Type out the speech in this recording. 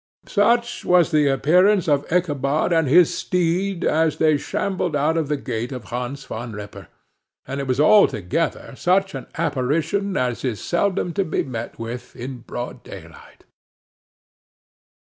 Such was the appearance of Ichabod and his steed as they shambled out of the gate of Hans Van Ripper, and it was altogether such an apparition as is seldom to be met with in broad daylight.